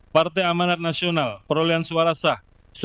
partai amanat nasional perolehan suara sah